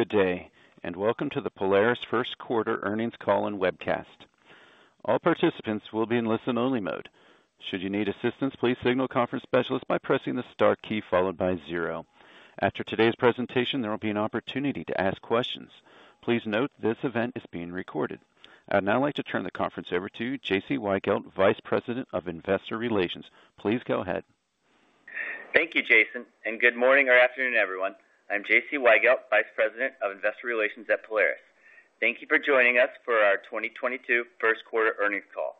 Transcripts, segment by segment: Good day, and welcome to the Polaris first quarter earnings call and webcast. All participants will be in listen-only mode. Should you need assistance, please contact the conference specialist by pressing the star key followed by zero. After today's presentation, there will be an opportunity to ask questions. Please note this event is being recorded. I'd now like to turn the conference over to J.C. Weigelt, Vice President of Investor Relations. Please go ahead. Thank you, Jason, and good morning or afternoon, everyone. I'm J.C. Weigelt, Vice President of Investor Relations at Polaris. Thank you for joining us for our 2022 first quarter earnings call.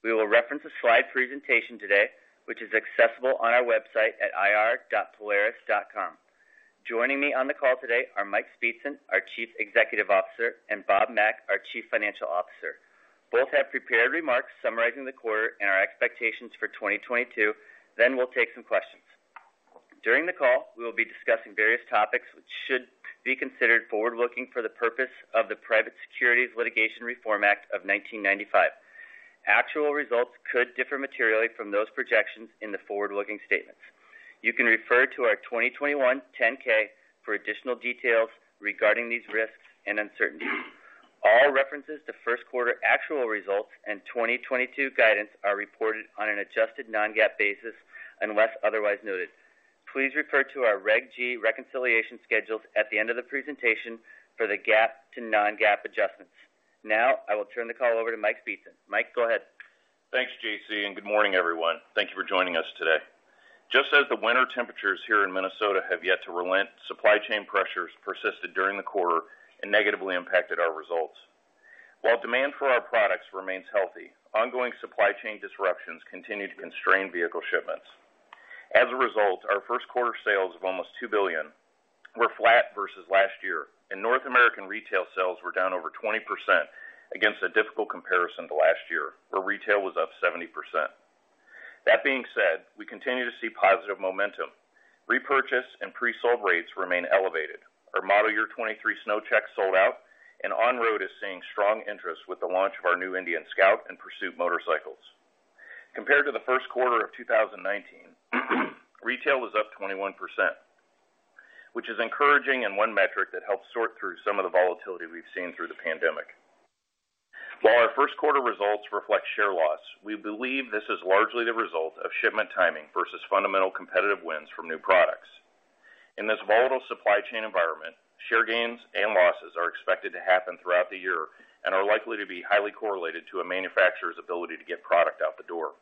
We will reference a slide presentation today, which is accessible on our website at ir.polaris.com. Joining me on the call today are Mike Speetzen, our Chief Executive Officer, and Bob Mack, our Chief Financial Officer. Both have prepared remarks summarizing the quarter and our expectations for 2022. Then we'll take some questions. During the call, we will be discussing various topics which should be considered forward-looking for the purpose of the Private Securities Litigation Reform Act of 1995. Actual results could differ materially from those projections in the forward-looking statements. You can refer to our 2021 10-K for additional details regarding these risks and uncertainties. All references to first quarter actual results and 2022 guidance are reported on an adjusted non-GAAP basis unless otherwise noted. Please refer to our Reg G reconciliation schedules at the end of the presentation for the GAAP to non-GAAP adjustments. Now, I will turn the call over to Mike Speetzen. Mike, go ahead. Thanks, J.C., and good morning, everyone. Thank you for joining us today. Just as the winter temperatures here in Minnesota have yet to relent, supply chain pressures persisted during the quarter and negatively impacted our results. While demand for our products remains healthy, ongoing supply chain disruptions continue to constrain vehicle shipments. As a result, our first quarter sales of almost $2 billion were flat versus last year, and North American retail sales were down over 20% against a difficult comparison to last year, where retail was up 70%. That being said, we continue to see positive momentum. Repurchase and pre-sold rates remain elevated. Our model year 2023 SnowCheck sold out, and on-road is seeing strong interest with the launch of our new Indian Scout and Pursuit motorcycles. Compared to the first quarter of 2019, retail is up 21%, which is encouraging and one metric that helps sort through some of the volatility we've seen through the pandemic. While our first quarter results reflect share loss, we believe this is largely the result of shipment timing versus fundamental competitive wins from new products. In this volatile supply chain environment, share gains and losses are expected to happen throughout the year and are likely to be highly correlated to a manufacturer's ability to get product out the door.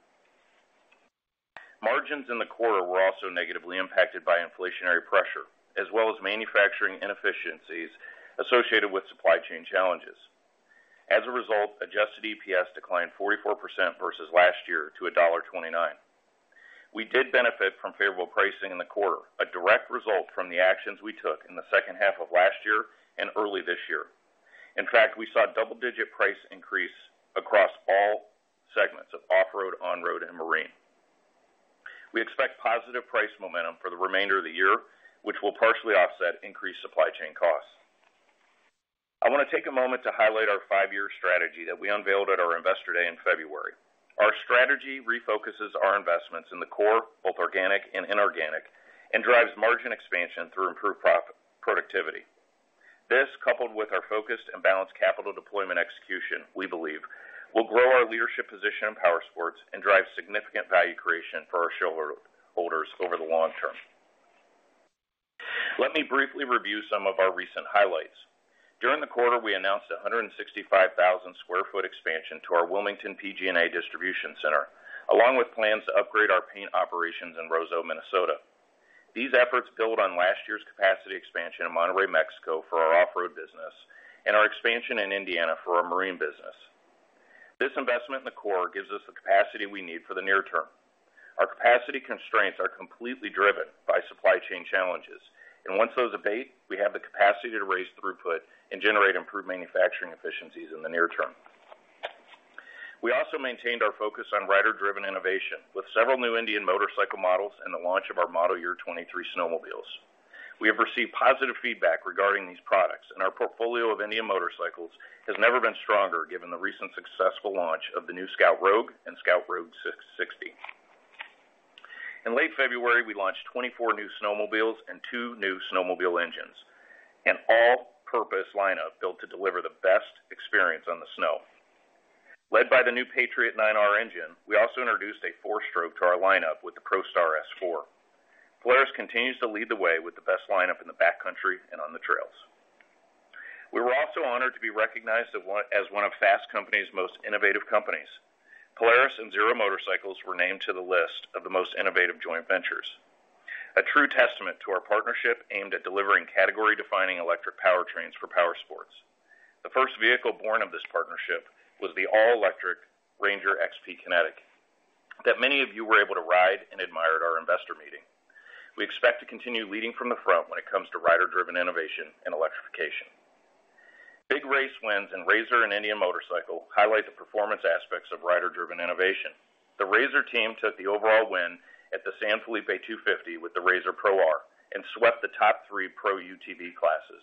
Margins in the quarter were also negatively impacted by inflationary pressure, as well as manufacturing inefficiencies associated with supply chain challenges. As a result, adjusted EPS declined 44% versus last year to $1.29. We did benefit from favorable pricing in the quarter, a direct result from the actions we took in the second half of last year and early this year. In fact, we saw double-digit price increase across all segments of off-road, on-road, and marine. We expect positive price momentum for the remainder of the year, which will partially offset increased supply chain costs. I want to take a moment to highlight our five-year strategy that we unveiled at our Investor Day in February. Our strategy refocuses our investments in the core, both organic and inorganic, and drives margin expansion through improved profit productivity. This, coupled with our focused and balanced capital deployment execution, we believe, will grow our leadership position in powersports and drive significant value creation for our shareholders over the long term. Let me briefly review some of our recent highlights. During the quarter, we announced a 165,000 sq ft expansion to our Wilmington PG&A distribution center, along with plans to upgrade our paint operations in Roseau, Minnesota. These efforts build on last year's capacity expansion in Monterrey, Mexico, for our off-road business and our expansion in Indiana for our marine business. This investment in the core gives us the capacity we need for the near term. Our capacity constraints are completely driven by supply chain challenges, and once those abate, we have the capacity to raise throughput and generate improved manufacturing efficiencies in the near term. We also maintained our focus on rider-driven innovation with several new Indian Motorcycle models and the launch of our model year 2023 snowmobiles. We have received positive feedback regarding these products, and our portfolio of Indian Motorcycle has never been stronger given the recent successful launch of the new Scout Rogue and Scout Rogue Sixty. In late February, we launched 24 new snowmobiles and two new snowmobile engines, an all-purpose lineup built to deliver the best experience on the snow. Led by the new Patriot 9R engine, we also introduced a four-stroke to our lineup with the ProStar S4. Polaris continues to lead the way with the best lineup in the backcountry and on the trails. We were also honored to be recognized as one of Fast Company's most innovative companies. Polaris and Zero Motorcycles were named to the list of the most innovative joint ventures, a true testament to our partnership aimed at delivering category-defining electric powertrains for powersports. The first vehicle born of this partnership was the all-electric RANGER XP Kinetic that many of you were able to ride and admire at our investor meeting. We expect to continue leading from the front when it comes to rider-driven innovation and electrification. Big race wins in RZR and Indian Motorcycle highlight the performance aspects of rider-driven innovation. The RZR team took the overall win at the San Felipe 250 with the RZR Pro R and swept the top three Pro UTV classes.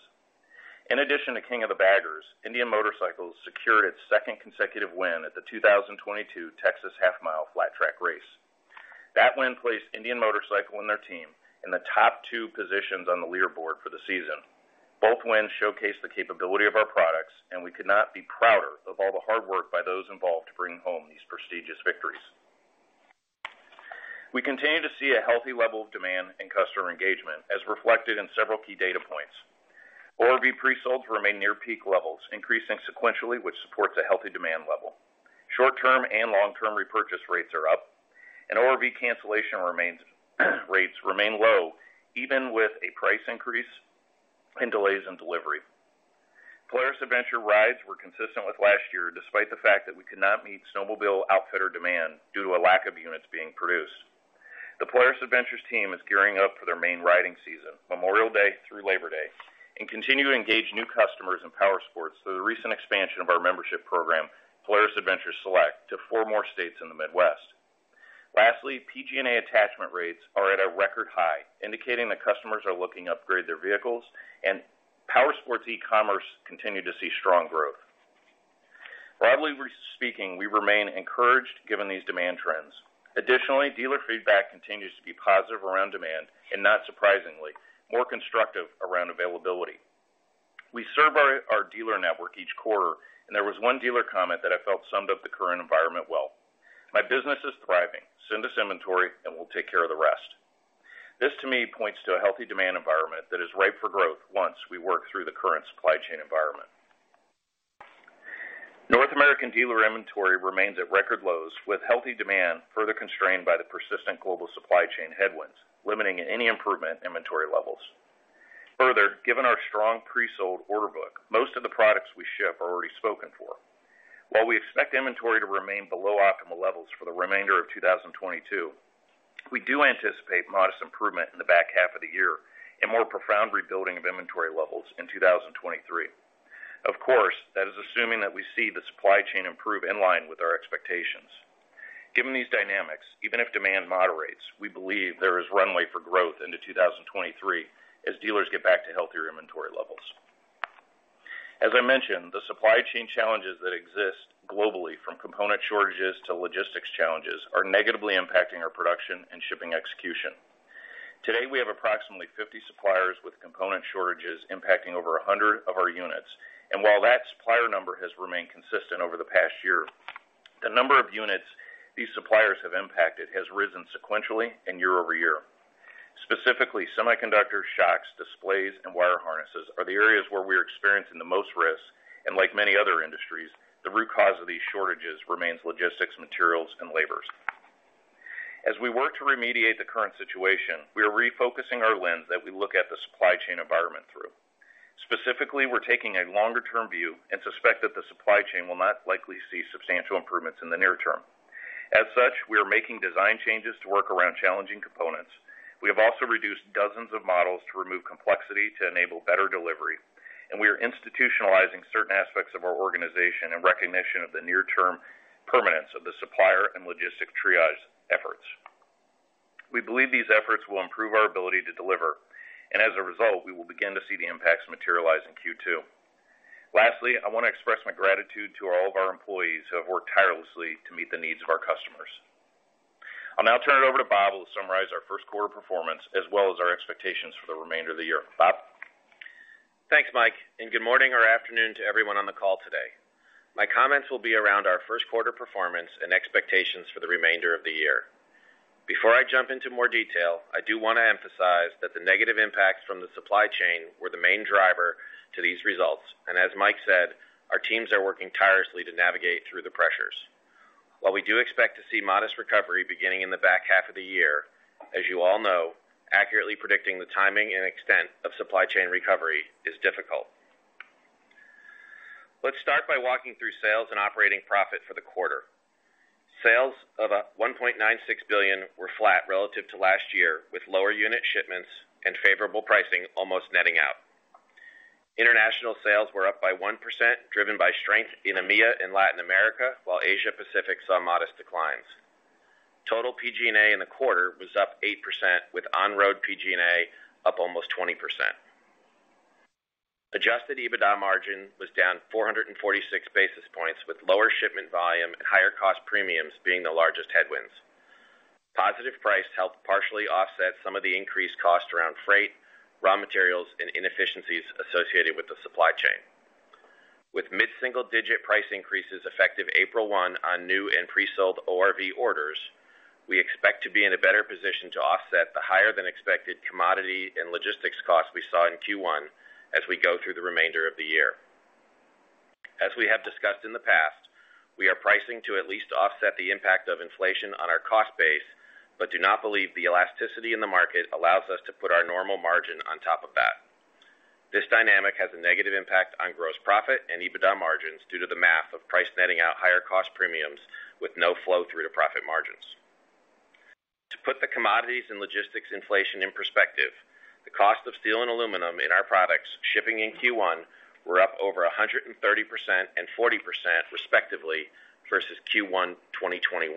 In addition to King of the Baggers, Indian Motorcycle secured its second consecutive win at the 2022 Texas Half-Mile Flat Track Race. That win placed Indian Motorcycle and their team in the top two positions on the leaderboard for the season. Both wins showcased the capability of our products, and we could not be prouder of all the hard work by those involved to bring home these prestigious victories. We continue to see a healthy level of demand and customer engagement, as reflected in several key data points. ORV presolds remain near peak levels, increasing sequentially, which supports a healthy demand level. Short-term and long-term repurchase rates are up, and ORV cancellation rates remain low, even with a price increase and delays in delivery. Polaris Adventures rides were consistent with last year, despite the fact that we could not meet snowmobile outfitter demand due to a lack of units being produced. The Polaris Adventures team is gearing up for their main riding season, Memorial Day through Labor Day, and continue to engage new customers in Powersports through the recent expansion of our membership program, Polaris Adventures Select, to four more states in the Midwest. Lastly, PG&A attachment rates are at a record high, indicating that customers are looking to upgrade their vehicles, and Powersports e-commerce continued to see strong growth. Broadly speaking, we remain encouraged given these demand trends. Additionally, dealer feedback continues to be positive around demand and, not surprisingly, more constructive around availability. We serve our dealer network each quarter, and there was one dealer comment that I felt summed up the current environment well. "My business is thriving. Send us inventory, and we'll take care of the rest." This, to me, points to a healthy demand environment that is ripe for growth once we work through the current supply chain environment. North American dealer inventory remains at record lows, with healthy demand further constrained by the persistent global supply chain headwinds, limiting any improvement in inventory levels. Further, given our strong presold order book, most of the products we ship are already spoken for. While we expect inventory to remain below optimal levels for the remainder of 2022, we do anticipate modest improvement in the back half of the year and more profound rebuilding of inventory levels in 2023. Of course, that is assuming that we see the supply chain improve in line with our expectations. Given these dynamics, even if demand moderates, we believe there is runway for growth into 2023 as dealers get back to healthier inventory levels. As I mentioned, the supply chain challenges that exist globally, from component shortages to logistics challenges, are negatively impacting our production and shipping execution. Today, we have approximately 50 suppliers with component shortages impacting over 100 of our units, and while that supplier number has remained consistent over the past year, the number of units these suppliers have impacted has risen sequentially and year over year. Specifically, semiconductor shortages, displays, and wire harnesses are the areas where we are experiencing the most risks, and like many other industries, the root cause of these shortages remains logistics, materials, and labor. As we work to remediate the current situation, we are refocusing our lens that we look at the supply chain environment through. Specifically, we're taking a longer-term view and suspect that the supply chain will not likely see substantial improvements in the near term. As such, we are making design changes to work around challenging components. We have also reduced dozens of models to remove complexity to enable better delivery, and we are institutionalizing certain aspects of our organization in recognition of the near-term permanence of the supplier and logistic triage efforts. We believe these efforts will improve our ability to deliver, and as a result, we will begin to see the impacts materialize in Q2. Lastly, I want to express my gratitude to all of our employees who have worked tirelessly to meet the needs of our customers. I'll now turn it over to Bob, who will summarize our first quarter performance as well as our expectations for the remainder of the year. Bob? Thanks, Mike, and good morning or afternoon to everyone on the call today. My comments will be around our first quarter performance and expectations for the remainder of the year. Before I jump into more detail, I do want to emphasize that the negative impacts from the supply chain were the main driver to these results. As Mike said, our teams are working tirelessly to navigate through the pressures. While we do expect to see modest recovery beginning in the back half of the year, as you all know, accurately predicting the timing and extent of supply chain recovery is difficult. Let's start by walking through sales and operating profit for the quarter. Sales of $1.96 billion were flat relative to last year, with lower unit shipments and favorable pricing almost netting out. International sales were up by 1%, driven by strength in EMEA and Latin America, while Asia Pacific saw modest declines. Total PG&A in the quarter was up 8%, with on-road PG&A up almost 20%. Adjusted EBITDA margin was down 446 basis points, with lower shipment volume and higher cost premiums being the largest headwinds. Positive price helped partially offset some of the increased cost around freight, raw materials, and inefficiencies associated with the supply chain. With mid-single-digit price increases effective April 1 on new and presold ORV orders, we expect to be in a better position to offset the higher-than-expected commodity and logistics costs we saw in Q1 as we go through the remainder of the year. As we have discussed in the past, we are pricing to at least offset the impact of inflation on our cost base, but do not believe the elasticity in the market allows us to put our normal margin on top of that. This dynamic has a negative impact on gross profit and EBITDA margins due to the math of price netting out higher cost premiums with no flow through to profit margins. To put the commodities and logistics inflation in perspective, the cost of steel and aluminum in our products shipping in Q1 were up over 130% and 40% respectively versus Q1 2021.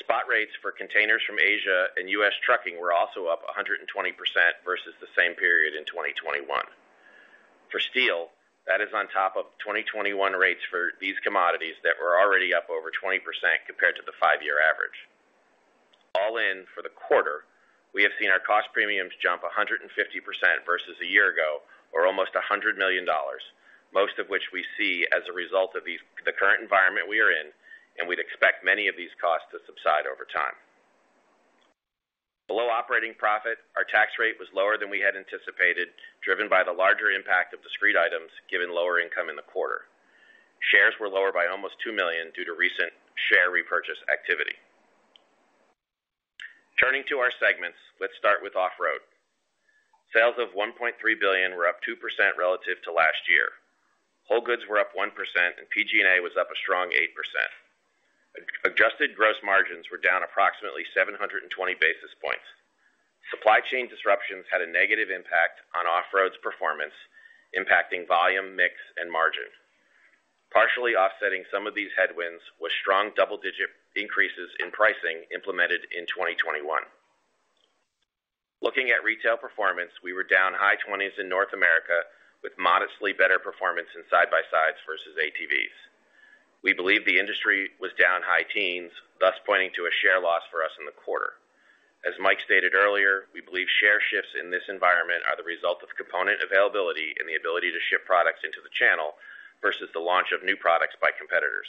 Spot rates for containers from Asia and U.S. trucking were also up 120% versus the same period in 2021. For steel, that is on top of 2021 rates for these commodities that were already up over 20% compared to the five-year average. All in for the quarter, we have seen our cost premiums jump 150% versus a year ago, or almost $100 million, most of which we see as a result of the current environment we are in, and we'd expect many of these costs to subside over time. Below operating profit, our tax rate was lower than we had anticipated, driven by the larger impact of discrete items given lower income in the quarter. Shares were lower by almost 2 million due to recent share repurchase activity. Turning to our segments, let's start with Off-Road. Sales of $1.3 billion were up 2% relative to last year. Whole goods were up 1% and PG&A was up a strong 8%. As-adjusted gross margins were down approximately 720 basis points. Supply chain disruptions had a negative impact on Off-Road's performance, impacting volume, mix, and margin. Partially offsetting some of these headwinds was strong double-digit increases in pricing implemented in 2021. Looking at retail performance, we were down high 20s% in North America, with modestly better performance in side-by-sides versus ATVs. We believe the industry was down high teens%, thus pointing to a share loss for us in the quarter. As Mike stated earlier, we believe share shifts in this environment are the result of component availability and the ability to ship products into the channel versus the launch of new products by competitors.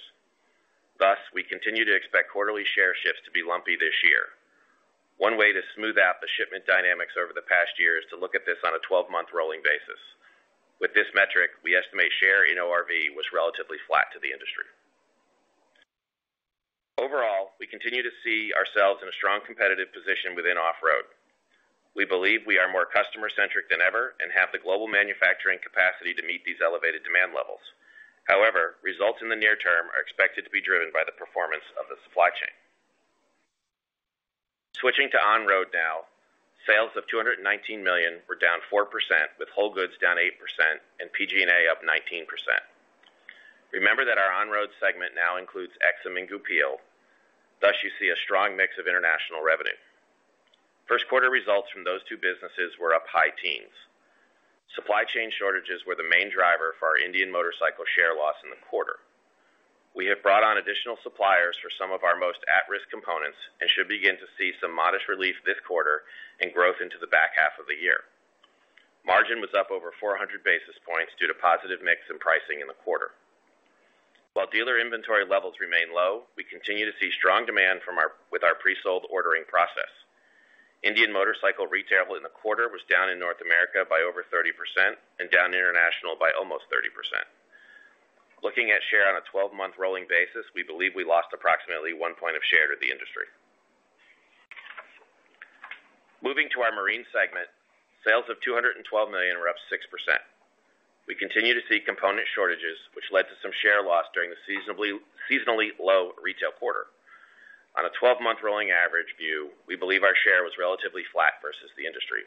Thus, we continue to expect quarterly share shifts to be lumpy this year. One way to smooth out the shipment dynamics over the past year is to look at this on a 12-month rolling basis. With this metric, we estimate share in ORV was relatively flat to the industry. Overall, we continue to see ourselves in a strong competitive position within Off-Road. We believe we are more customer-centric than ever and have the global manufacturing capacity to meet these elevated demand levels. However, results in the near term are expected to be driven by the performance of the supply chain. Switching to On-Road now, sales of $219 million were down 4%, with whole goods down 8% and PG&A up 19%. Remember that our On-Road segment now includes Aixam and Goupil. Thus, you see a strong mix of international revenue. First-quarter results from those two businesses were up high teens. Supply chain shortages were the main driver for our Indian Motorcycle share loss in the quarter. We have brought on additional suppliers for some of our most at-risk components and should begin to see some modest relief this quarter and growth into the back half of the year. Margin was up over 400 basis points due to positive mix in pricing in the quarter. While dealer inventory levels remain low, we continue to see strong demand with our pre-sold ordering process. Indian Motorcycle retail in the quarter was down in North America by over 30% and down internationally by almost 30%. Looking at share on a 12-month rolling basis, we believe we lost approximately 1 point of share to the industry. Moving to our Marine segment, sales of $212 million were up 6%. We continue to see component shortages, which led to some share loss during the seasonally low retail quarter. On a 12-month rolling average view, we believe our share was relatively flat versus the industry.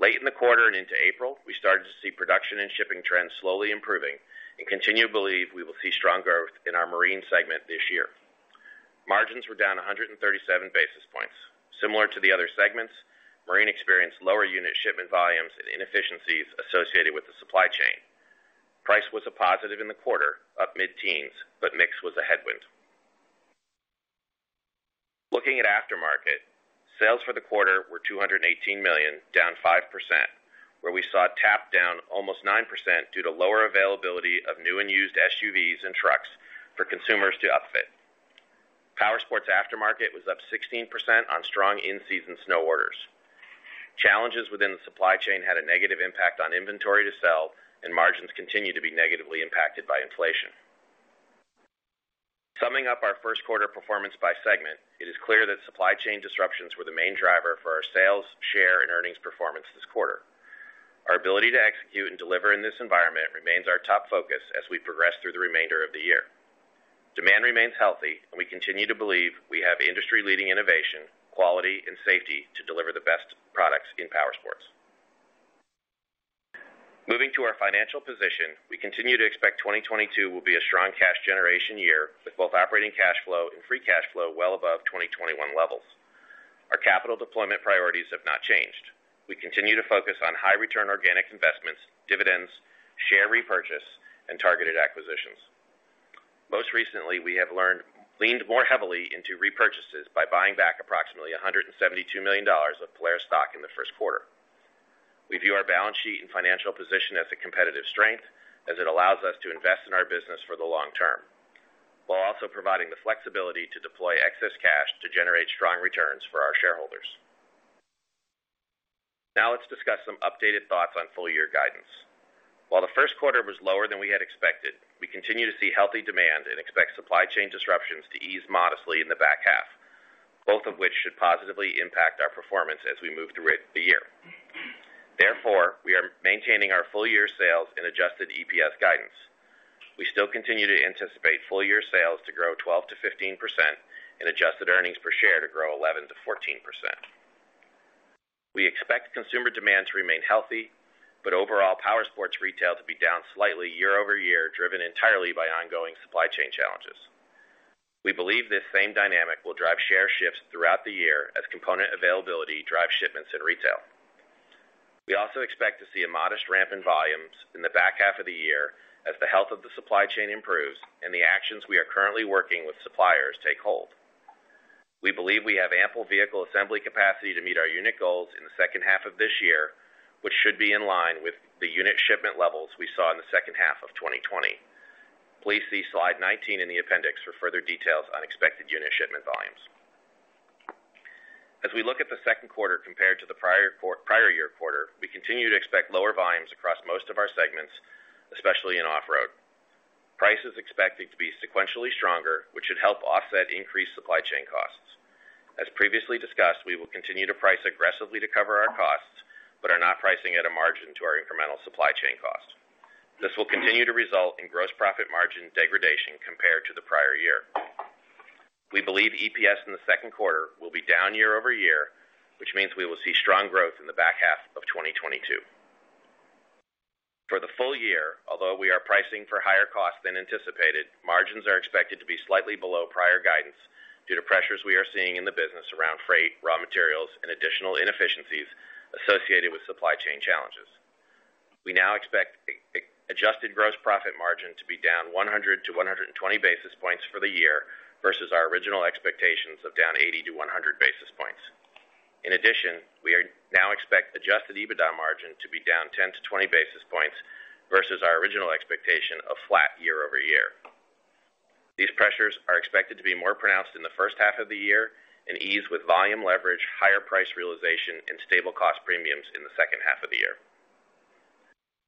Late in the quarter and into April, we started to see production and shipping trends slowly improving and continue to believe we will see strong growth in our Marine segment this year. Margins were down 137 basis points. Similar to the other segments, Marine experienced lower unit shipment volumes and inefficiencies associated with the supply chain. Price was a positive in the quarter, up mid-teens, but mix was a headwind. Looking at Aftermarket, sales for the quarter were $218 million, down 5%, where we saw TAP down almost 9% due to lower availability of new and used SUVs and trucks for consumers to upfit. Powersports Aftermarket was up 16% on strong in-season snow orders. Challenges within the supply chain had a negative impact on inventory to sell, and margins continue to be negatively impacted by inflation. Summing up our first quarter performance by segment, it is clear that supply chain disruptions were the main driver for our sales, share, and earnings performance this quarter. Our ability to execute and deliver in this environment remains our top focus as we progress through the remainder of the year. Demand remains healthy, and we continue to believe we have industry-leading innovation, quality, and safety to deliver the best products in powersports. Moving to our financial position, we continue to expect 2022 will be a strong cash generation year, with both operating cash flow and free cash flow well above 2021 levels. Our capital deployment priorities have not changed. We continue to focus on high return organic investments, dividends, share repurchase, and targeted acquisitions. Most recently, we have leaned more heavily into repurchases by buying back approximately $172 million of Polaris stock in the first quarter. We view our balance sheet and financial position as a competitive strength as it allows us to invest in our business for the long term, while also providing the flexibility to deploy excess cash to generate strong returns for our shareholders. Now let's discuss some updated thoughts on full-year guidance. While the first quarter was lower than we had expected, we continue to see healthy demand and expect supply chain disruptions to ease modestly in the back half, both of which should positively impact our performance as we move through it, the year. Therefore, we are maintaining our full-year sales and adjusted EPS guidance. We still continue to anticipate full-year sales to grow 12%-15% and adjusted earnings per share to grow 11%-14%. We expect consumer demand to remain healthy, but overall powersports retail to be down slightly year-over-year, driven entirely by ongoing supply chain challenges. We believe this same dynamic will drive share shifts throughout the year as component availability drives shipments in retail. We also expect to see a modest ramp in volumes in the back half of the year as the health of the supply chain improves and the actions we are currently working with suppliers take hold. We believe we have ample vehicle assembly capacity to meet our unit goals in the second half of this year, which should be in line with the unit shipment levels we saw in the second half of 2020. Please see slide 19 in the appendix for further details on expected unit shipment volumes. As we look at the second quarter compared to the prior year quarter, we continue to expect lower volumes across most of our segments, especially in off-road. Price is expected to be sequentially stronger, which should help offset increased supply chain costs. As previously discussed, we will continue to price aggressively to cover our costs, but are not pricing at a margin to our incremental supply chain costs. This will continue to result in gross profit margin degradation compared to the prior year. We believe EPS in the second quarter will be down year-over-year, which means we will see strong growth in the back half of 2022. For the full year, although we are pricing for higher costs than anticipated, margins are expected to be slightly below prior guidance due to pressures we are seeing in the business around freight, raw materials, and additional inefficiencies associated with supply chain challenges. We now expect adjusted gross profit margin to be down 100-120 basis points for the year versus our original expectations of down 80-100 basis points. In addition, we now expect adjusted EBITDA margin to be down 10-20 basis points versus our original expectation of flat year-over-year. These pressures are expected to be more pronounced in the first half of the year and ease with volume leverage, higher price realization, and stable cost premiums in the second half of the year.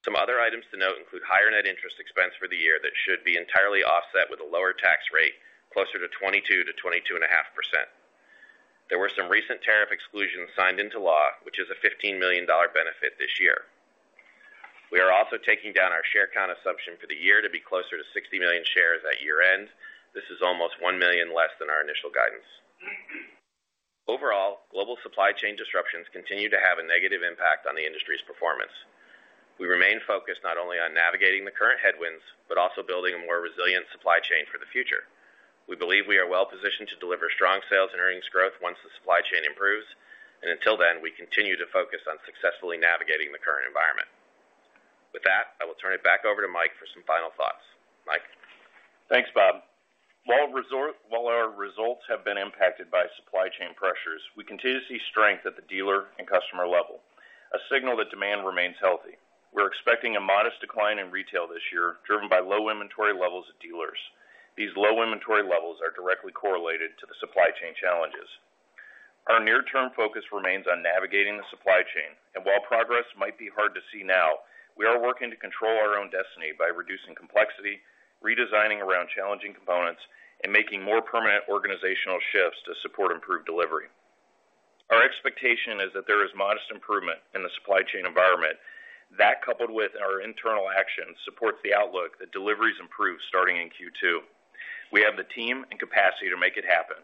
Some other items to note include higher net interest expense for the year that should be entirely offset with a lower tax rate, closer to 22%-22.5%. There were some recent tariff exclusions signed into law, which is a $15 million benefit this year. We are also taking down our share count assumption for the year to be closer to 60 million shares at year-end. This is almost 1 million less than our initial guidance. Overall, global supply chain disruptions continue to have a negative impact on the industry's performance. We remain focused not only on navigating the current headwinds, but also building a more resilient supply chain for the future. We believe we are well positioned to deliver strong sales and earnings growth once the supply chain improves. Until then, we continue to focus on successfully navigating the current environment. With that, I will turn it back over to Mike for some final thoughts. Mike? Thanks, Bob. While our results have been impacted by supply chain pressures, we continue to see strength at the dealer and customer level, a signal that demand remains healthy. We're expecting a modest decline in retail this year, driven by low inventory levels at dealers. These low inventory levels are directly correlated to the supply chain challenges. Our near-term focus remains on navigating the supply chain. While progress might be hard to see now, we are working to control our own destiny by reducing complexity, redesigning around challenging components, and making more permanent organizational shifts to support improved delivery. Our expectation is that there is modest improvement in the supply chain environment. That, coupled with our internal actions, supports the outlook that deliveries improve starting in Q2. We have the team and capacity to make it happen,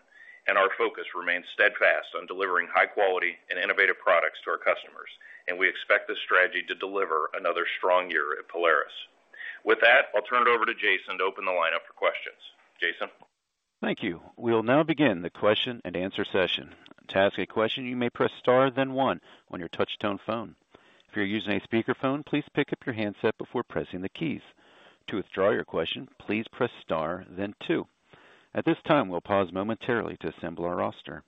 and our focus remains steadfast on delivering high quality and innovative products to our customers, and we expect this strategy to deliver another strong year at Polaris. With that, I'll turn it over to Jason to open the lineup for questions. Jason? Thank you. We'll now begin the question and answer session. To ask a question, you may press star then one on your touch-tone phone. If you're using a speakerphone, please pick up your handset before pressing the keys. To withdraw your question, please press star then two. At this time, we'll pause momentarily to assemble our roster.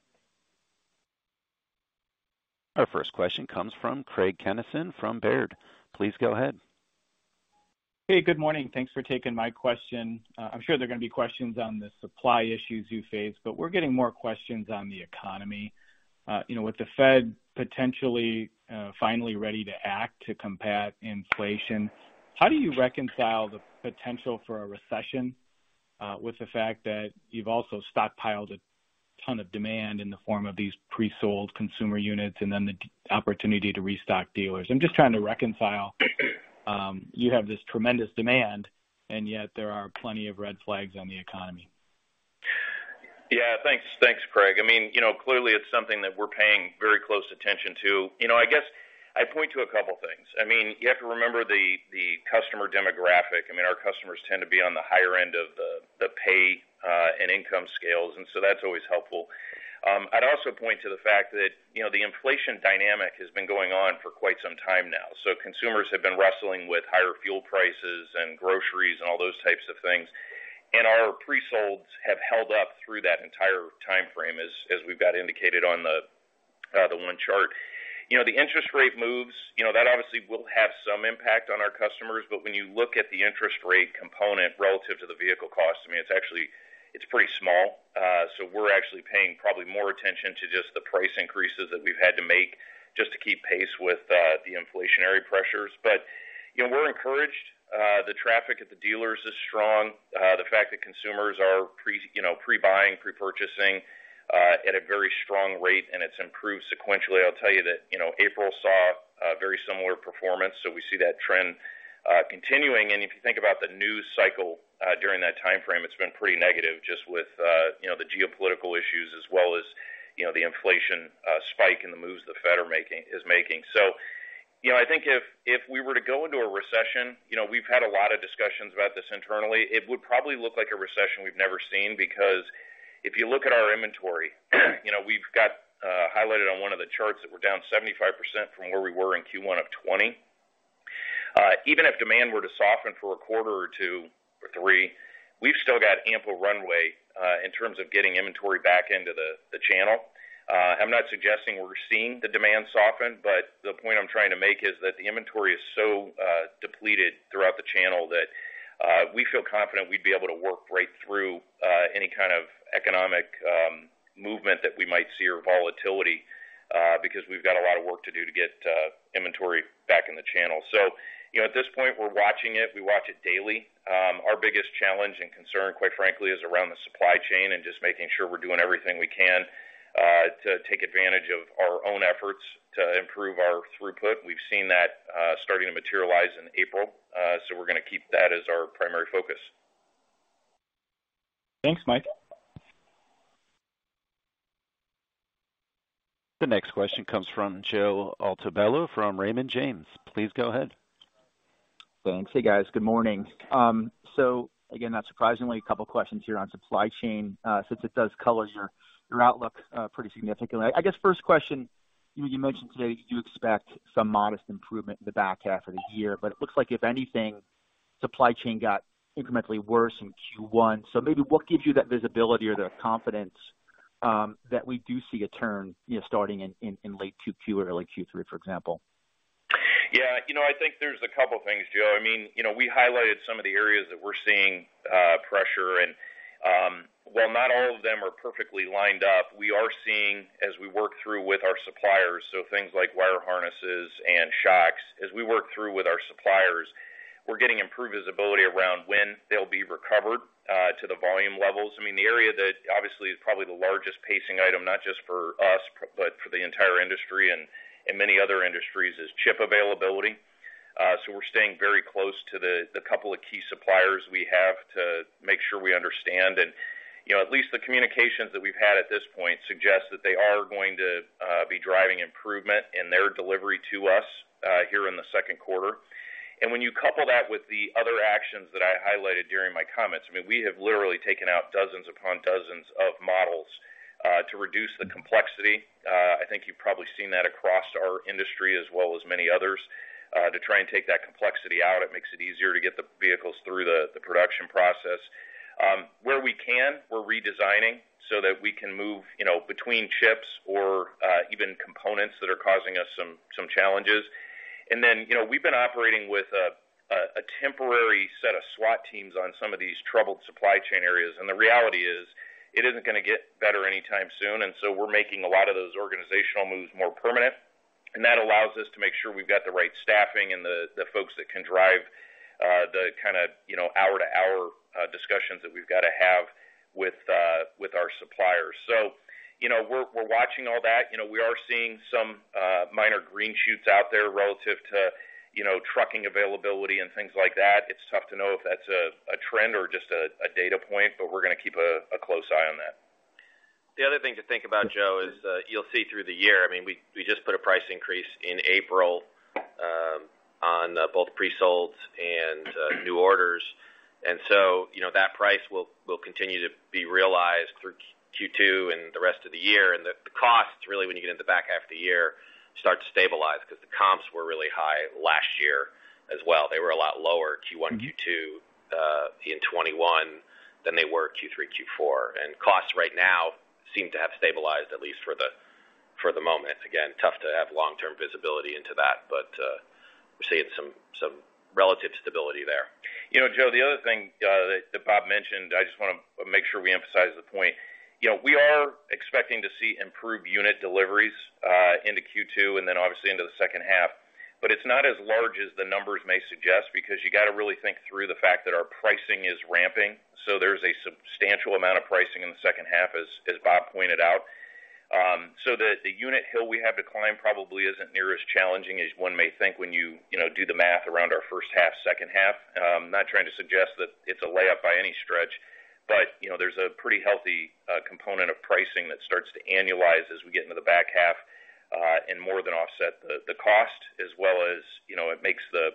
Our first question comes from Craig Kennison from Baird. Please go ahead. Hey, good morning. Thanks for taking my question. I'm sure there are gonna be questions on the supply issues you face, but we're getting more questions on the economy. You know, with the Fed potentially finally ready to act to combat inflation, how do you reconcile the potential for a recession with the fact that you've also stockpiled a ton of demand in the form of these pre-sold consumer units and then the opportunity to restock dealers? I'm just trying to reconcile you have this tremendous demand, and yet there are plenty of red flags on the economy. Yeah. Thanks. Thanks, Craig. I mean, you know, clearly it's something that we're paying very close attention to. You know, I guess I'd point to a couple things. I mean, you have to remember the customer demographic. I mean, our customers tend to be on the higher end of the pay and income scales, and so that's always helpful. I'd also point to the fact that, you know, the inflation dynamic has been going on for quite some time now. Consumers have been wrestling with higher fuel prices and groceries and all those types of things. Our pre-solds have held up through that entire timeframe as we've got indicated on the one chart. You know, the interest rate moves, you know, that obviously will have some impact on our customers, but when you look at the interest rate component relative to the vehicle cost, I mean, it's actually pretty small. So we're actually paying probably more attention to just the price increases that we've had to make just to keep pace with the inflationary pressures. You know, we're encouraged. The traffic at the dealers is strong. The fact that consumers are pre-buying, pre-purchasing at a very strong rate, and it's improved sequentially. I'll tell you that, you know, April saw a very similar performance, so we see that trend continuing. If you think about the news cycle, during that timeframe, it's been pretty negative just with, you know, the geopolitical issues as well as, you know, the inflation spike and the moves the Fed is making. You know, I think if we were to go into a recession, you know, we've had a lot of discussions about this internally. It would probably look like a recession we've never seen, because if you look at our inventory, you know, we've got highlighted on one of the charts that we're down 75% from where we were in Q1 of 2020. Even if demand were to soften for a quarter or two or three, we've still got ample runway in terms of getting inventory back into the channel. I'm not suggesting we're seeing the demand soften, but the point I'm trying to make is that the inventory is so depleted throughout the channel that we feel confident we'd be able to work right through any kind of economic movement that we might see or volatility because we've got a lot of work to do to get inventory back in the channel. You know, at this point, we're watching it. We watch it daily. Our biggest challenge and concern, quite frankly, is around the supply chain and just making sure we're doing everything we can to take advantage of our own efforts to improve our throughput. We've seen that starting to materialize in April. We're gonna keep that as our primary focus. Thanks, Mike. The next question comes from Joe Altobello from Raymond James. Please go ahead. Thanks. Hey, guys. Good morning. Again, not surprisingly, a couple questions here on supply chain, since it does color your outlook pretty significantly. I guess, first question, you mentioned today you do expect some modest improvement in the back half of the year, but it looks like, if anything, supply chain got incrementally worse in Q1. Maybe what gives you that visibility or the confidence that we do see a turn, you know, starting in late 2Q or early Q3, for example? Yeah. You know, I think there's a couple things, Joe. I mean, you know, we highlighted some of the areas that we're seeing pressure and, while not all of them are perfectly lined up, we are seeing as we work through with our suppliers, so things like wire harnesses and shocks. As we work through with our suppliers, we're getting improved visibility around when they'll be recovered to the volume levels. I mean, the area that obviously is probably the largest pacing item, not just for us, but for the entire industry and many other industries, is chip availability. So we're staying very close to the couple of key suppliers we have to make sure we understand. You know, at least the communications that we've had at this point suggest that they are going to be driving improvement in their delivery to us here in the second quarter. When you couple that with the other actions that I highlighted during my comments, I mean, we have literally taken out dozens upon dozens of models to reduce the complexity. I think you've probably seen that across our industry as well as many others to try and take that complexity out. It makes it easier to get the vehicles through the production process. Where we can, we're redesigning so that we can move you know between chips or even components that are causing us some challenges. Then, you know, we've been operating with a temporary set of SWAT teams on some of these troubled supply chain areas. The reality is, it isn't gonna get better anytime soon, and so we're making a lot of those organizational moves more permanent. That allows us to make sure we've got the right staffing and the folks that can drive the kinda, you know, hour-to-hour discussions that we've gotta have with our suppliers. You know, we're watching all that. You know, we are seeing some minor green shoots out there relative to, you know, trucking availability and things like that. It's tough to know if that's a trend or just a data point, but we're gonna keep a close eye on that. The other thing to think about, Joe, is you'll see through the year. I mean, we just put a price increase in April on both pre-solds and new orders. You know, that price will continue to be realized through Q2 and the rest of the year. The costs, really when you get into the back half of the year, start to stabilize because the comps were really high last year as well. They were a lot lower Q1, Q2 in 2021 than they were Q3, Q4. Costs right now seem to have stabilized, at least for the moment. Again, tough to have long-term visibility into that, but we're seeing some relative stability there. You know, Joe, the other thing that Bob mentioned, I just wanna make sure we emphasize the point. You know, we are expecting to see improved unit deliveries into Q2 and then obviously into the second half, but it's not as large as the numbers may suggest because you gotta really think through the fact that our pricing is ramping. There's a substantial amount of pricing in the second half, as Bob pointed out. The unit hill we have to climb probably isn't near as challenging as one may think when you know do the math around our first half, second half. Not trying to suggest that it's a layup by any stretch, but, you know, there's a pretty healthy component of pricing that starts to annualize as we get into the back half, and more than offset the cost as well as, you know, it makes the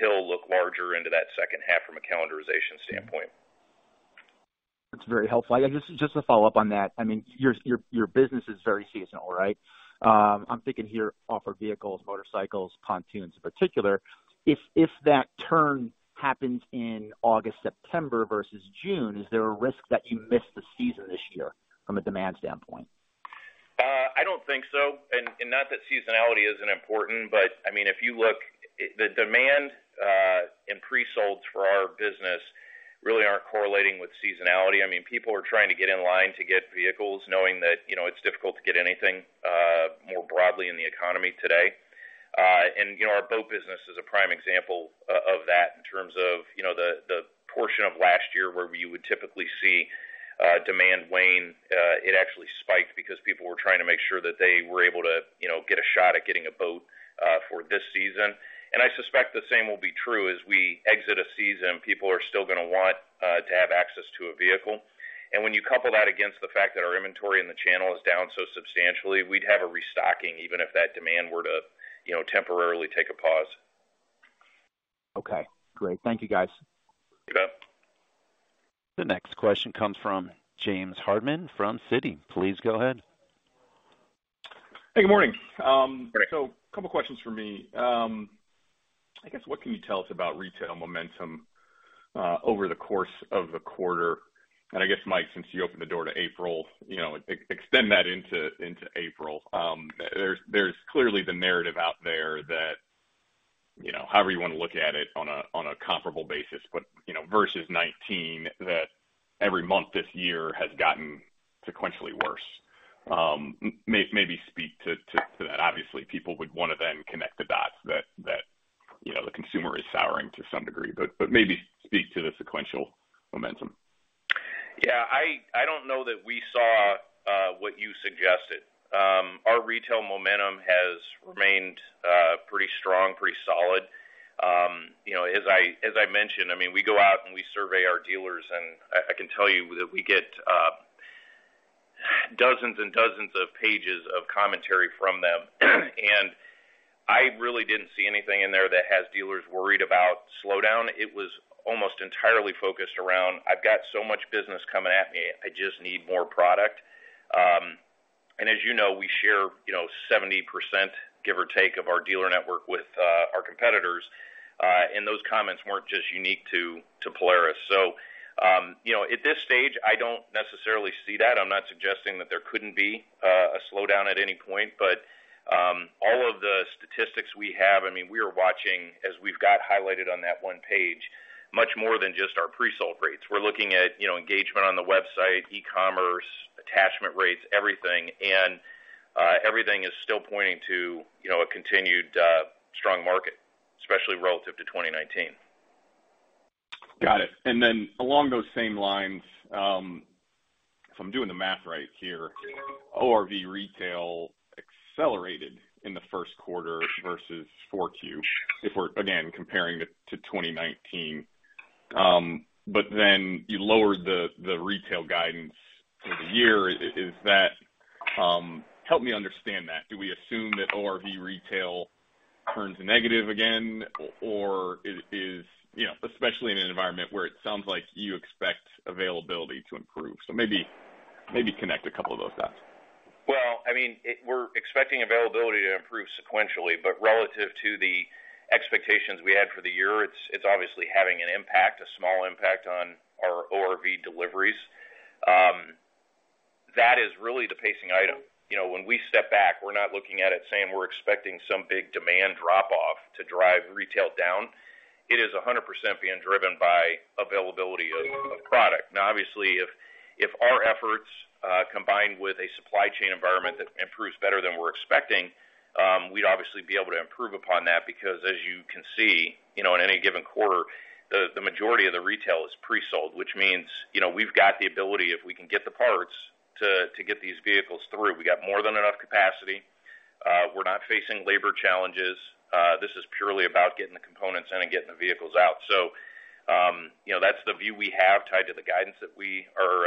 hill look larger into that second half from a calendarization standpoint. That's very helpful. Just to follow up on that, I mean, your business is very seasonal, right? I'm thinking here off-road vehicles, motorcycles, pontoons in particular. If that turn happens in August, September versus June, is there a risk that you miss the season this year from a demand standpoint? I don't think so. Not that seasonality isn't important, but I mean, if you look, the demand, and pre-solds for our business really aren't correlating with seasonality. I mean, people are trying to get in line to get vehicles knowing that, you know, it's difficult to get anything, more broadly in the economy today. You know, our boat business is a prime example of that in terms of, you know, the portion of last year where you would typically see, demand wane, it actually spiked because people were trying to make sure that they were able to, you know, get a shot at getting a boat, for this season. I suspect the same will be true as we exit a season. People are still gonna want to have access to a vehicle. When you couple that against the fact that our inventory in the channel is down so substantially, we'd have a restocking even if that demand were to, you know, temporarily take a pause. Okay, great. Thank you, guys. You bet. The next question comes from James Hardiman from Citi. Please go ahead. Hey, good morning. Good morning. A couple questions for me. I guess what can you tell us about retail momentum over the course of the quarter? I guess, Mike, since you opened the door to April, you know, extend that into April. There's clearly the narrative out there that, you know, however you wanna look at it on a comparable basis, but, you know, versus 2019 that every month this year has gotten sequentially worse. Maybe speak to that. Obviously, people would wanna then connect the dots that, you know, the consumer is souring to some degree, but maybe speak to the sequential momentum. Yeah, I don't know that we saw what you suggested. Our retail momentum has remained pretty strong, pretty solid. You know, as I mentioned, I mean, we go out and we survey our dealers, and I can tell you that we get dozens and dozens of pages of commentary from them. I really didn't see anything in there that has dealers worried about slowdown. It was almost entirely focused around, "I've got so much business coming at me. I just need more product." And as you know, we share, you know, 70%, give or take, of our dealer network with our competitors, and those comments weren't just unique to Polaris. You know, at this stage, I don't necessarily see that. I'm not suggesting that there couldn't be a slowdown at any point. All of the statistics we have, I mean, we are watching as we've got highlighted on that one page much more than just our pre-sold rates. We're looking at, you know, engagement on the website, e-commerce, attachment rates, everything, and everything is still pointing to, you know, a continued strong market, especially relative to 2019. Got it. Along those same lines, if I'm doing the math right here, ORV retail accelerated in the first quarter versus Q4, if we're again comparing it to 2019. You lowered the retail guidance for the year. Is that. Help me understand that. Do we assume that ORV retail turns negative again, or is, you know, especially in an environment where it sounds like you expect availability to improve. Maybe connect a couple of those dots. Well, I mean, we're expecting availability to improve sequentially, but relative to the expectations we had for the year, it's obviously having an impact, a small impact on our ORV deliveries. That is really the pacing item. You know, when we step back, we're not looking at it saying we're expecting some big demand drop off to drive retail down. It is 100% being driven by availability of product. Now, obviously, if our efforts combined with a supply chain environment that improves better than we're expecting, we'd obviously be able to improve upon that because as you can see, you know, in any given quarter, the majority of the retail is pre-sold, which means, you know, we've got the ability, if we can get the parts, to get these vehicles through. We got more than enough capacity. We're not facing labor challenges. This is purely about getting the components in and getting the vehicles out. You know, that's the view we have tied to the guidance that we are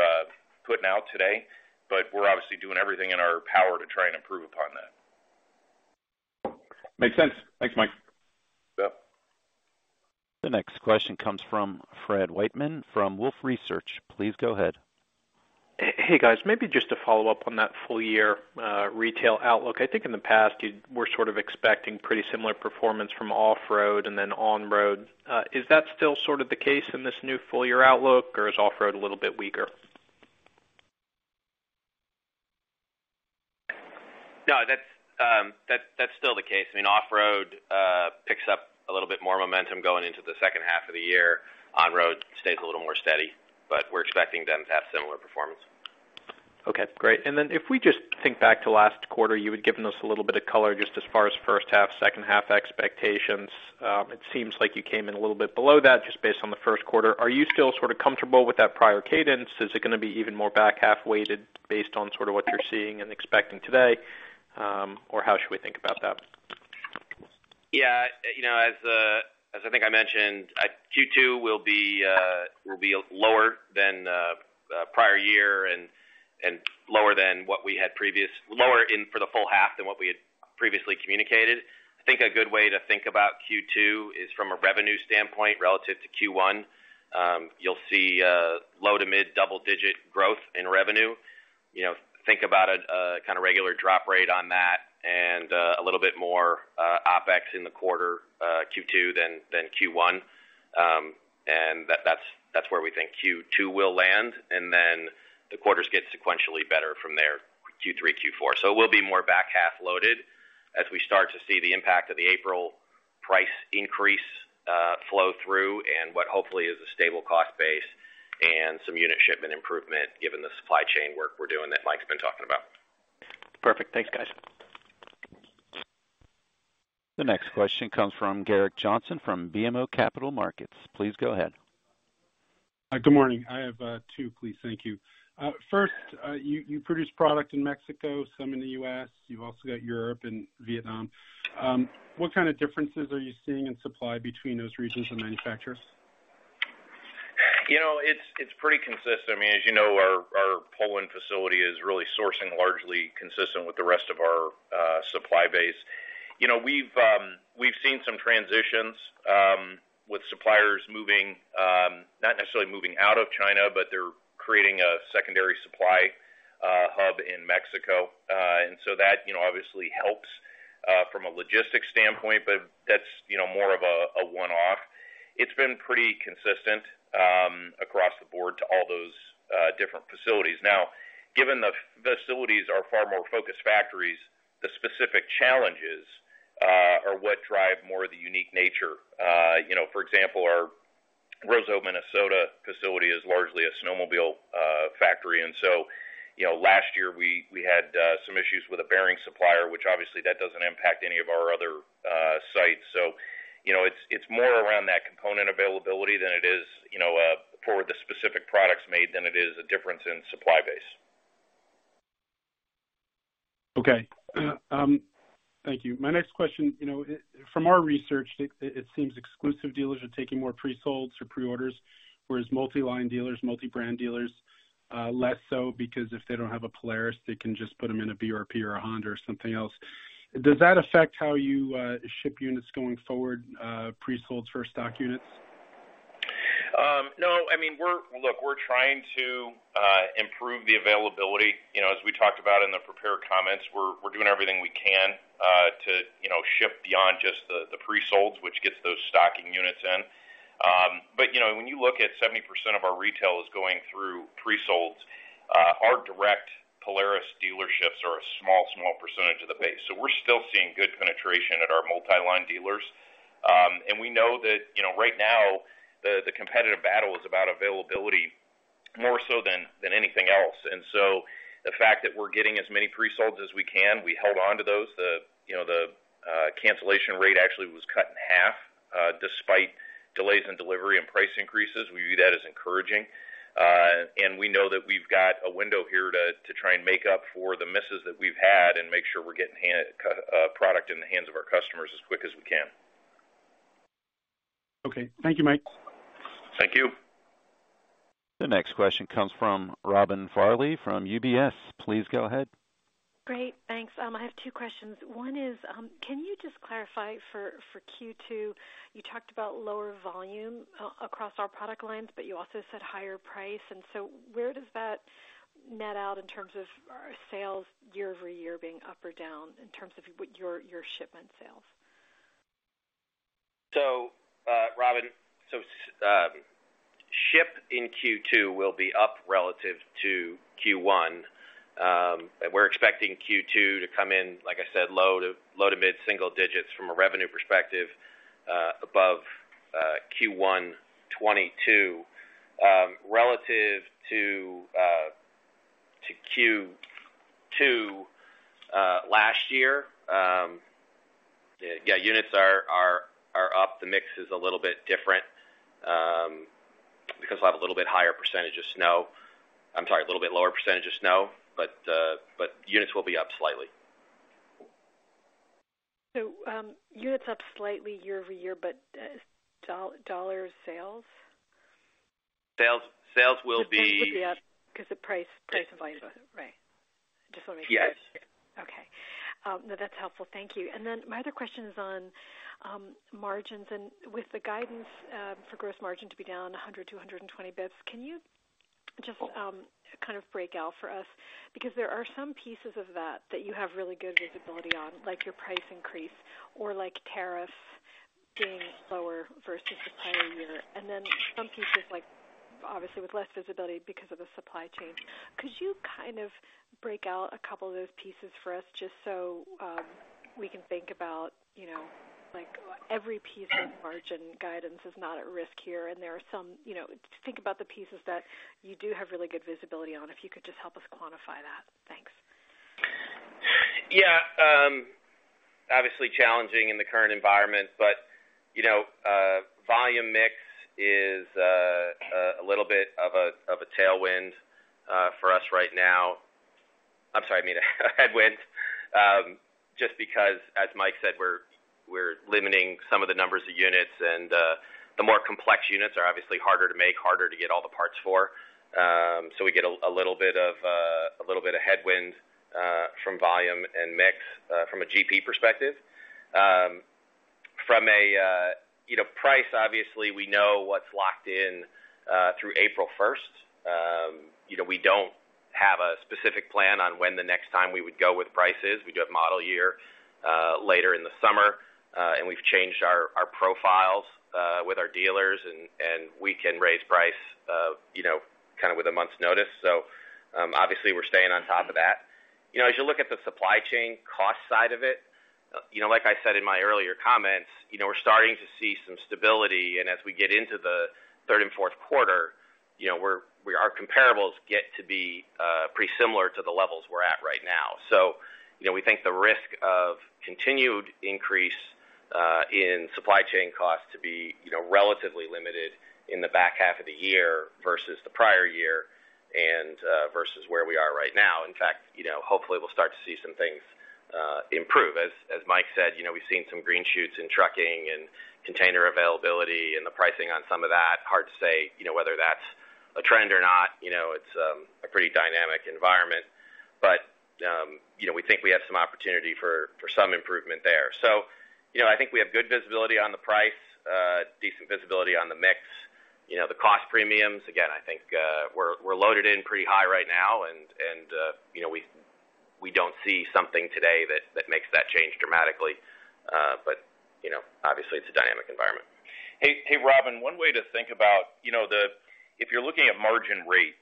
putting out today, but we're obviously doing everything in our power to try and improve upon that. Makes sense. Thanks, Mike. You bet. The next question comes from Fred Wightman from Wolfe Research. Please go ahead. Hey, guys. Maybe just to follow up on that full year retail outlook. I think in the past, you were sort of expecting pretty similar performance from off-road and then on-road. Is that still sort of the case in this new full year outlook, or is off-road a little bit weaker? No, that's still the case. I mean, off-road picks up a little bit more momentum going into the second half of the year. On-road stays a little more steady, but we're expecting them to have similar performance. Okay, great. If we just think back to last quarter, you had given us a little bit of color just as far as first half, second half expectations. It seems like you came in a little bit below that just based on the first quarter. Are you still sort of comfortable with that prior cadence? Is it gonna be even more back-half weighted based on sort of what you're seeing and expecting today? Or how should we think about that? You know, as I think I mentioned, Q2 will be lower than prior year and lower than for the full half than what we had previously communicated. I think a good way to think about Q2 is from a revenue standpoint relative to Q1. You'll see low to mid double-digit growth in revenue. You know, think about a kinda regular drop rate on that and a little bit more OpEx in the quarter, Q2 than Q1. That's where we think Q2 will land. The quarters get sequentially better from there, Q3, Q4. We'll be more back-half loaded as we start to see the impact of the April price increase, flow through and what hopefully is a stable cost base and some unit shipment improvement given the supply chain work we're doing that Mike's been talking about. Perfect. Thanks, guys. The next question comes from Gerrick Johnson from BMO Capital Markets. Please go ahead. Good morning. I have two, please. Thank you. First, you produce product in Mexico, some in the U.S. You've also got Europe and Vietnam. What kind of differences are you seeing in supply between those regions and manufacturers? You know, it's pretty consistent. I mean, as you know, our Opole facility is really sourcing largely consistent with the rest of our supply base. You know, we've seen some transitions with suppliers moving, not necessarily moving out of China, but they're creating a secondary supply hub in Mexico. That you know, obviously helps from a logistics standpoint, but that's you know, more of a one-off. It's been pretty consistent across the board to all those different facilities. Now, given the facilities are far more focused factories, the specific challenges are what drive more of the unique nature. You know, for example, our Roseau, Minnesota facility is largely a snowmobile factory. You know, last year we had some issues with a bearing supplier, which obviously that doesn't impact any of our other sites. You know, it's more around that component availability than it is, you know, for the specific products made than it is a difference in supply base. Okay. Thank you. My next question, you know, from our research, it seems exclusive dealers are taking more pre-solds or pre-orders, whereas multi-line dealers, multi-brand dealers, less so because if they don't have a Polaris, they can just put them in a BRP or a Honda or something else. Does that affect how you ship units going forward, pre-solds versus stock units? No. I mean, look, we're trying to improve the availability. You know, as we talked about in the prepared comments, we're doing everything we can to ship beyond just the pre-solds, which gets those stocking units in. But you know, when you look at 70% of our retail is going through pre-solds, our direct Polaris dealerships are a small percentage of the base. So we're still seeing good penetration at our multi-line dealers. And we know that, you know, right now the competitive battle is about availability more so than anything else. So the fact that we're getting as many pre-solds as we can, we held on to those. The cancellation rate actually was cut in half despite delays in delivery and price increases. We view that as encouraging. We know that we've got a window here to try and make up for the misses that we've had and make sure we're getting product in the hands of our customers as quick as we can. Okay. Thank you, Mike. Thank you. The next question comes from Robin Farley from UBS. Please go ahead. Great, thanks. I have two questions. One is, can you just clarify for Q2, you talked about lower volume across all product lines, but you also said higher price. Where does that net out in terms of sales year-over-year being up or down in terms of what your shipment sales? Robin, shipments in Q2 will be up relative to Q1. We're expecting Q2 to come in, like I said, low- to mid-single digits from a revenue perspective, above Q1 2022. Relative to Q2 last year, units are up. The mix is a little bit different because we'll have a little bit lower percentage of snow, but units will be up slightly. Units up slightly year-over-year, but dollar sales? Sales will be. The sales will be up because the price. Yes. Right. Just want to make sure. Yes. Okay. No, that's helpful. Thank you. My other question is on margins and with the guidance for gross margin to be down 100-220 basis points, can you just kind of break out for us? Because there are some pieces of that that you have really good visibility on, like your price increase or like tariffs being lower versus the prior year. Some pieces like obviously with less visibility because of the supply chain. Could you kind of break out a couple of those pieces for us just so we can think about, you know, like every piece of margin guidance is not at risk here. There are some, you know, think about the pieces that you do have really good visibility on, if you could just help us quantify that. Thanks. Yeah. Obviously challenging in the current environment, but you know, volume mix is a little bit of a tailwind for us right now. I'm sorry, I mean a headwind. Just because as Mike said, we're limiting some of the numbers of units and the more complex units are obviously harder to make, harder to get all the parts for. We get a little bit of headwind from volume and mix from a GP perspective. From a, you know, price, obviously we know what's locked in through April first. You know, we don't have a specific plan on when the next time we would go with prices. We do have model year later in the summer, and we've changed our profiles with our dealers and we can raise price you know kind of with a month's notice. Obviously we're staying on top of that. You know as you look at the supply chain cost side of it you know like I said in my earlier comments you know we're starting to see some stability. As we get into the third and fourth quarter you know our comparables get to be pretty similar to the levels we're at right now. You know we think the risk of continued increase in supply chain costs to be you know relatively limited in the back half of the year versus the prior year. Versus where we are right now. In fact, you know, hopefully we'll start to see some things improve. As Mike said, you know, we've seen some green shoots in trucking and container availability and the pricing on some of that. Hard to say, you know, whether that's a trend or not. You know, it's a pretty dynamic environment. You know, we think we have some opportunity for some improvement there. You know, I think we have good visibility on the price, decent visibility on the mix. You know, the cost premiums, again, I think, we're loaded in pretty high right now. You know, we don't see something today that makes that change dramatically. You know, obviously it's a dynamic environment. Hey, hey, Robin. One way to think about, you know, if you're looking at margin rate,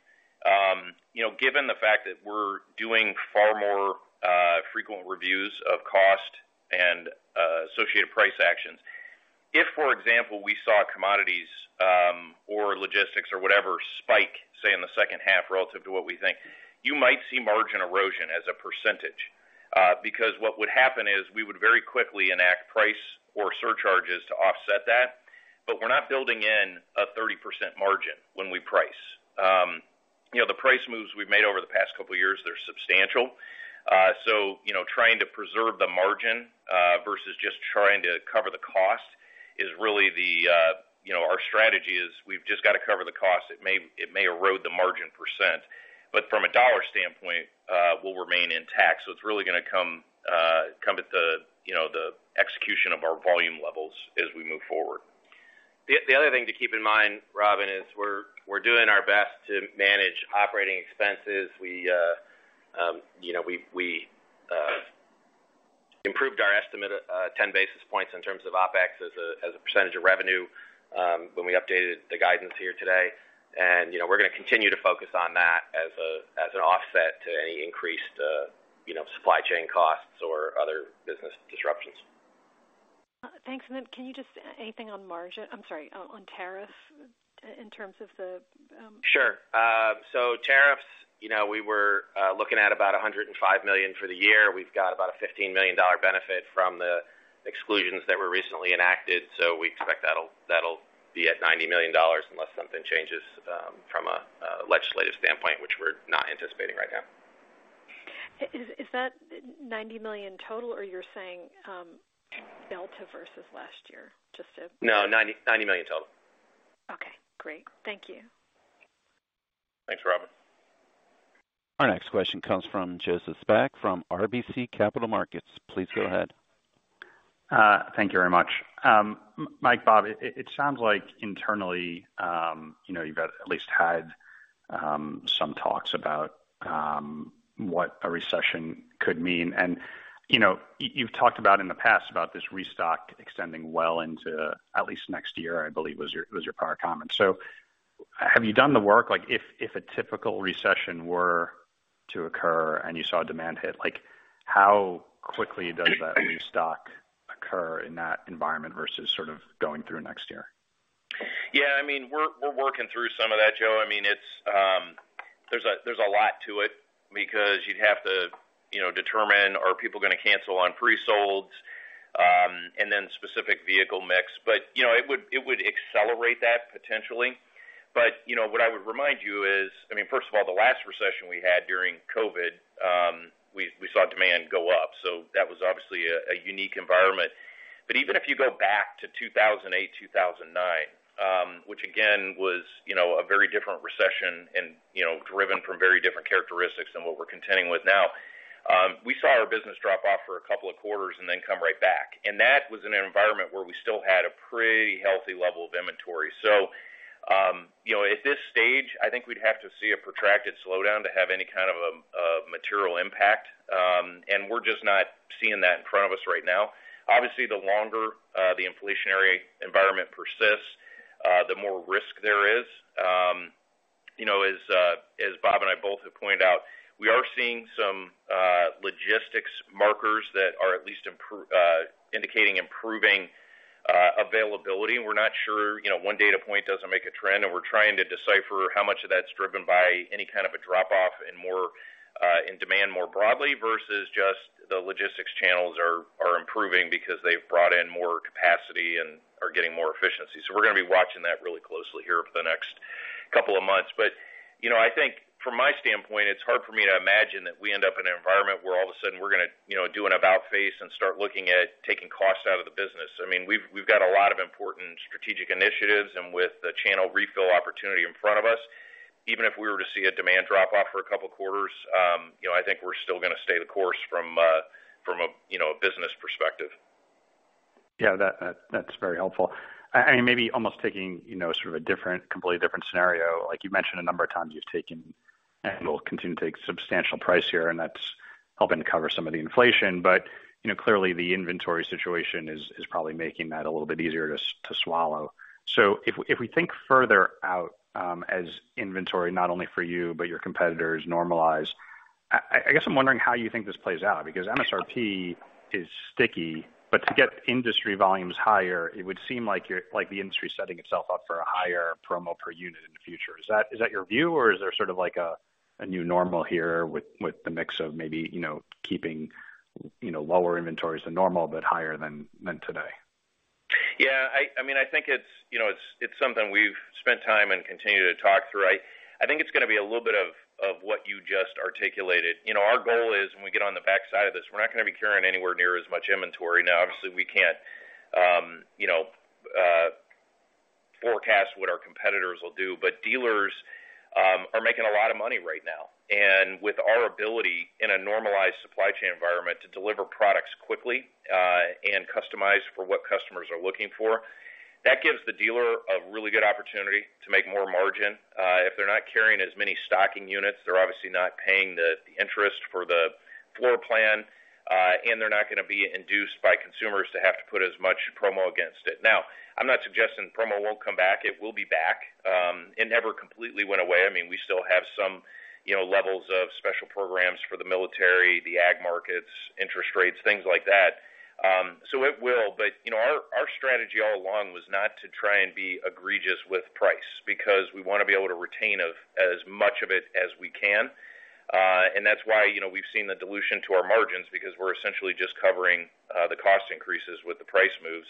you know, given the fact that we're doing far more frequent reviews of cost and associated price actions, if, for example, we saw commodities or logistics or whatever spike, say in the second half relative to what we think, you might see margin erosion as a percentage. Because what would happen is we would very quickly enact price or surcharges to offset that, but we're not building in a 30% margin when we price. You know, the price moves we've made over the past couple of years, they're substantial. So, you know, trying to preserve the margin versus just trying to cover the cost is really our strategy. We've just got to cover the cost. It may erode the margin percent. From a dollar standpoint, we'll remain intact. It's really gonna come at the, you know, the execution of our volume levels as we move forward. The other thing to keep in mind, Robin, is we're doing our best to manage operating expenses. We, you know, have improved our estimate 10 basis points in terms of OpEx as a percentage of revenue when we updated the guidance here today. You know, we're gonna continue to focus on that as an offset to any increased supply chain costs or other business disruptions. Thanks. Can you just anything on tariff in terms of the Sure. Tariffs, you know, we were looking at about $105 million for the year. We've got about a $15 million benefit from the exclusions that were recently enacted. We expect that'll be at $90 million unless something changes from a legislative standpoint, which we're not anticipating right now. Is that $90 million total or you're saying delta versus last year? No, $90 million total. Okay, great. Thank you. Thanks, Robin. Our next question comes from Joseph Spak from RBC Capital Markets. Please go ahead. Thank you very much. Mike, Bob, it sounds like internally, you know, you've at least had some talks about what a recession could mean. You know, you've talked about in the past about this restock extending well into at least next year, I believe was your prior comment. Have you done the work? Like, if a typical recession were to occur and you saw demand hit, like, how quickly does that restock occur in that environment versus sort of going through next year? Yeah, I mean, we're working through some of that, Joe. I mean, there's a lot to it because you'd have to, you know, determine are people gonna cancel on pre-solds, and then specific vehicle mix. You know, it would accelerate that potentially. You know, what I would remind you is, I mean, first of all, the last recession we had during COVID, we saw demand go up. That was obviously a unique environment. Even if you go back to 2008, 2009, which again was a very different recession and driven from very different characteristics than what we're contending with now, we saw our business drop off for a couple of quarters and then come right back. That was in an environment where we still had a pretty healthy level of inventory. You know, at this stage, I think we'd have to see a protracted slowdown to have any kind of a material impact. We're just not seeing that in front of us right now. Obviously, the longer the inflationary environment persists, the more risk there is. You know, as Bob and I both have pointed out, we are seeing some logistics markers that are at least indicating improving availability. We're not sure, you know, one data point doesn't make a trend, and we're trying to decipher how much of that's driven by any kind of a drop-off in demand more broadly versus just the logistics channels are improving because they've brought in more capacity and are getting more efficiency. We're gonna be watching that really closely here over the next couple of months. You know, I think from my standpoint, it's hard for me to imagine that we end up in an environment where all of a sudden we're gonna, you know, do an about-face and start looking at taking costs out of the business. I mean, we've got a lot of important strategic initiatives and with the channel refill opportunity in front of us, even if we were to see a demand drop off for a couple quarters, you know, I think we're still gonna stay the course from a you know a business perspective. Yeah, that's very helpful. Maybe almost taking, you know, sort of a different, completely different scenario, like you mentioned a number of times, you've taken and will continue to take substantial price here, and that's helping to cover some of the inflation. You know, clearly the inventory situation is probably making that a little bit easier to swallow. If we think further out, as inventory, not only for you, but your competitors normalize, I guess I'm wondering how you think this plays out because MSRP is sticky, but to get industry volumes higher, it would seem like the industry is setting itself up for a higher promo per unit in the future. Is that your view, or is there sort of like a new normal here with the mix of maybe, you know, keeping, you know, lower inventories than normal but higher than today? Yeah, I mean, I think it's, you know, it's something we've spent time and continue to talk through. I think it's gonna be a little bit of what you just articulated. You know, our goal is when we get on the backside of this, we're not gonna be carrying anywhere near as much inventory. Now, obviously, we can't, you know, forecast what our competitors will do, but dealers are making a lot of money right now. With our ability in a normalized supply chain environment to deliver products quickly and customize for what customers are looking for, that gives the dealer a really good opportunity to make more margin. If they're not carrying as many stocking units, they're obviously not paying the interest for the floor plan, and they're not gonna be induced by consumers to have to put as much promo against it. Now, I'm not suggesting promo won't come back. It will be back. It never completely went away. I mean, we still have some, you know, levels of special programs for the military, the ag markets, interest rates, things like that. So it will. You know, our strategy all along was not to try and be egregious with price because we wanna be able to retain of as much of it as we can. And that's why, you know, we've seen the dilution to our margins because we're essentially just covering the cost increases with the price moves.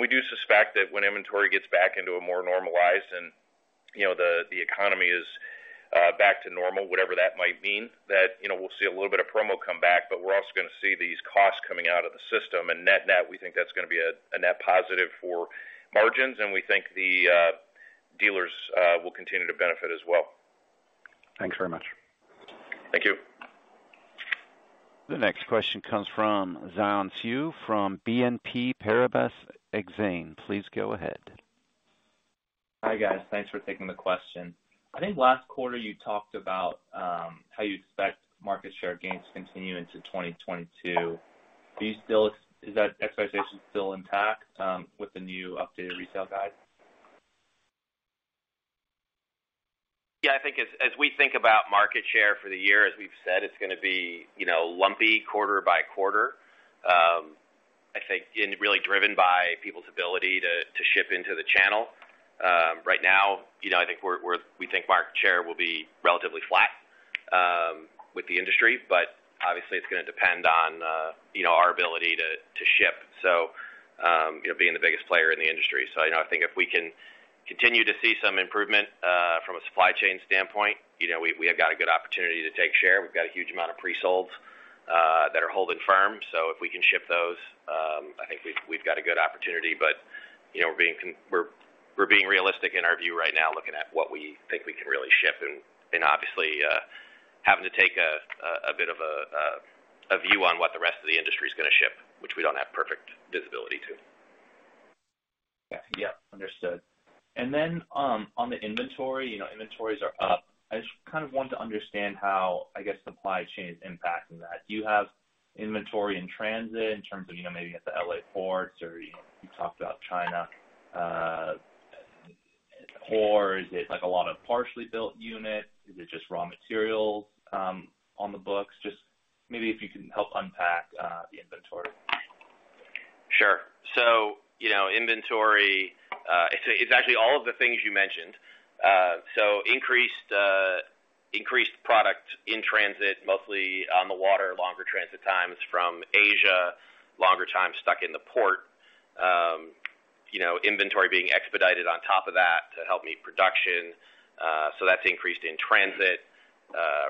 We do suspect that when inventory gets back into a more normalized and the economy is back to normal, whatever that might mean, we'll see a little bit of promo come back, but we're also gonna see these costs coming out of the system. Net-net, we think that's gonna be a net positive for margins, and we think dealers will continue to benefit as well. Thanks very much. Thank you. The next question comes from Xian Siew from BNP Paribas Exane. Please go ahead. Hi, guys. Thanks for taking the question. I think last quarter you talked about how you expect market share gains to continue into 2022. Is that expectation still intact, with the new updated retail guide? Yeah, I think as we think about market share for the year, as we've said, it's gonna be, you know, lumpy quarter by quarter. I think it's really driven by people's ability to ship into the channel. Right now, you know, I think we think market share will be relatively flat with the industry, but obviously, it's gonna depend on, you know, our ability to ship. You know, being the biggest player in the industry, I think if we can continue to see some improvement from a supply chain standpoint, you know, we have got a good opportunity to take share. We've got a huge amount of pre-solds that are holding firm. If we can ship those, I think we've got a good opportunity. You know, we're being realistic in our view right now, looking at what we think we can really ship and obviously having to take a bit of a view on what the rest of the industry is gonna ship, which we don't have perfect visibility to. Yeah. Understood. On the inventory, you know, inventories are up. I just kind of want to understand how, I guess, supply chain is impacting that. Do you have inventory in transit in terms of, you know, maybe at the L.A. ports, or, you know, you talked about China ports. Is it, like, a lot of partially built units? Is it just raw materials on the books? Just maybe if you can help unpack the inventory. Sure. You know, inventory, it's actually all of the things you mentioned. Increased product in transit, mostly on the water, longer transit times from Asia, longer time stuck in the port. You know, inventory being expedited on top of that to help meet production. That's increased in transit.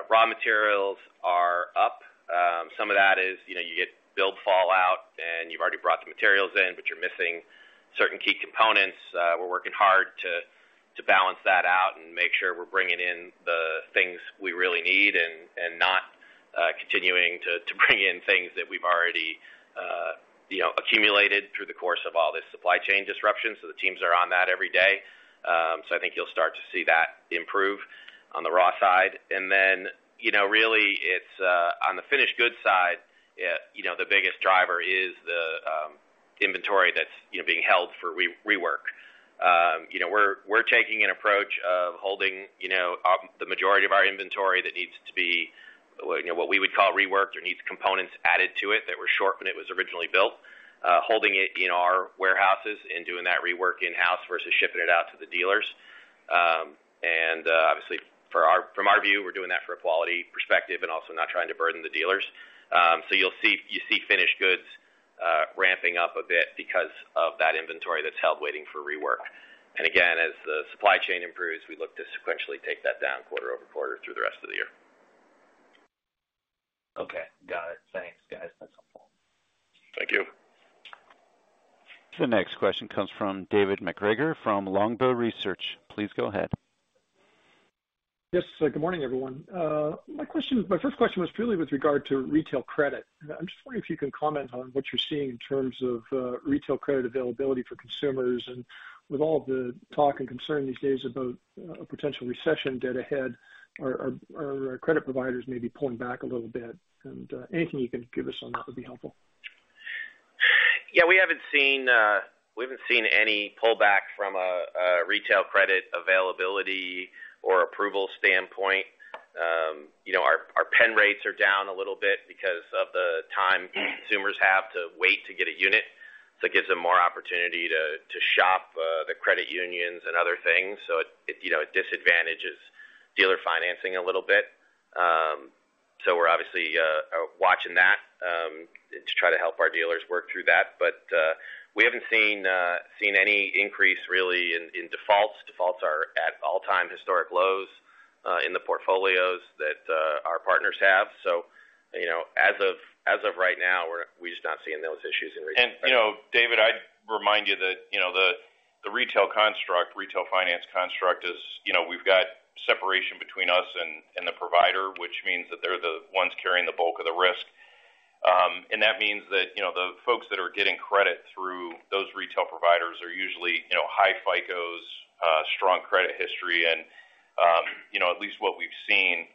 Raw materials are up. Some of that is, you know, you get build fallout, and you've already brought the materials in, but you're missing certain key components. We're working hard to balance that out and make sure we're bringing in the things we really need and not continuing to bring in things that we've already, you know, accumulated through the course of all this supply chain disruption. The teams are on that every day. I think you'll start to see that improve on the raw side. Then, you know, really it's on the finished goods side, you know, the biggest driver is the inventory that's, you know, being held for rework. You know, we're taking an approach of holding, you know, the majority of our inventory that needs to be, you know, what we would call reworked or needs components added to it that were short when it was originally built, holding it in our warehouses and doing that rework in-house versus shipping it out to the dealers. Obviously from our view, we're doing that for a quality perspective and also not trying to burden the dealers. You see finished goods ramping up a bit because of that inventory that's held waiting for rework. Again, as the supply chain improves, we look to sequentially take that down quarter over quarter through the rest of the year. Okay. Got it. Thanks, guys. That's helpful. Thank you. The next question comes from David MacGregor from Longbow Research. Please go ahead. Yes. Good morning, everyone. My first question was purely with regard to retail credit. I'm just wondering if you can comment on what you're seeing in terms of, retail credit availability for consumers. With all the talk and concern these days about, a potential recession dead ahead, are credit providers maybe pulling back a little bit? Anything you can give us on that would be helpful. Yeah, we haven't seen any pullback from a retail credit availability or approval standpoint. You know, our pen rates are down a little bit because of the time consumers have to wait to get a unit. It gives them more opportunity to shop the credit unions and other things. It, you know, it disadvantages dealer financing a little bit. We're obviously watching that to try to help our dealers work through that. We haven't seen any increase really in defaults. Defaults are at all-time historic lows in the portfolios that our partners have. You know, as of right now, we're just not seeing those issues in retail. You know, David, I'd remind you that, you know, the retail construct, retail finance construct is, you know, we've got separation between us and the provider, which means that they're the ones carrying the bulk of the risk. That means that, you know, the folks that are getting credit through those retail providers are usually, you know, high FICOs, strong credit history and, you know, at least what we've seen,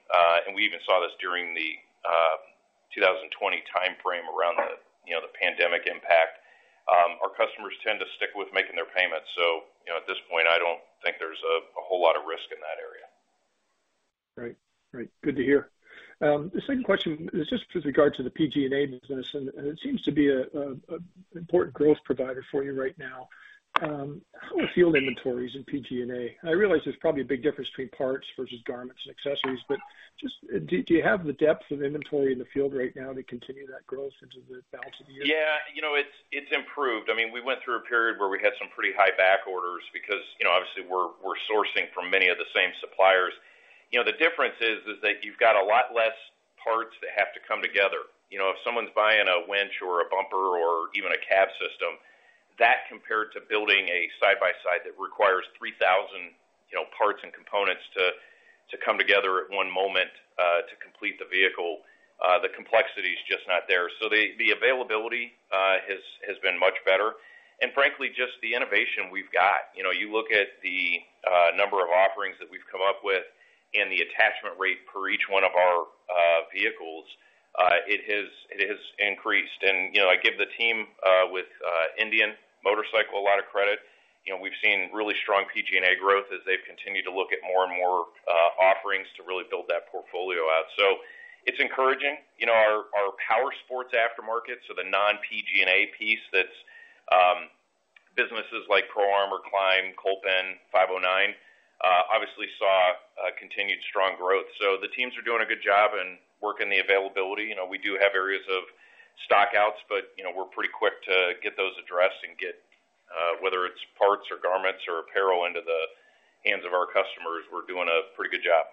and we even saw this during the 2020 timeframe around the, you know, the pandemic impact, our customers tend to stick with making their payments. You know, at this point, I don't think there's a whole lot of risk in that area. Great. Good to hear. The second question is just with regard to the PG&A business, and it seems to be an important growth provider for you right now. How are field inventories in PG&A? I realize there's probably a big difference between parts versus garments and accessories, but do you have the depth of inventory in the field right now to continue that growth into the balance of the year? Yeah, you know, it's improved. I mean, we went through a period where we had some pretty high back orders because, you know, obviously we're sourcing from many of the same suppliers. You know, the difference is that you've got a lot less parts that have to come together. You know, if someone's buying a winch or a bumper or even a cab system, that compared to building a side-by-side that requires 3,000, you know, parts and components to come together at one moment to complete the vehicle, the complexity is just not there. So the availability has been much better. Frankly, just the innovation we've got. You know, you look at the number of offerings that we've come up with and the attachment rate for each one of our vehicles, it has increased. You know, I give the team with Indian Motorcycle a lot of credit. You know, we've seen really strong PG&A growth as they've continued to look at more and more offerings to really build that portfolio out. So it's encouraging. You know, our Powersports aftermarket, so the non PG&A piece that's businesses like Pro Armor, KLIM, Kolpin, 509 obviously saw continued strong growth. So the teams are doing a good job in working the availability. You know, we do have areas of stock outs, but you know, we're pretty quick to get those addressed and get whether it's parts or garments or apparel into the hands of our customers. We're doing a pretty good job.